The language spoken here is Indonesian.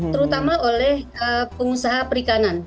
terutama oleh pengusaha perikanan